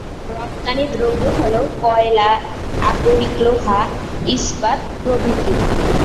রপ্তানি দ্রব্য হল- কয়লা, আকরিক লোহা, ইস্পাত প্রভৃতি।